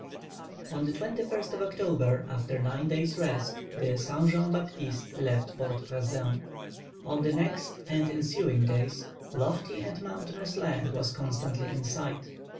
On the 21st of October, after nine days' rest, the Saint Jean Baptiste left Port Praslin. On the next and ensuing days, lofty and mountainous land was constantly in sight.